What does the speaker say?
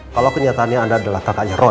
kalau kenyataannya anda adalah kakaknya roy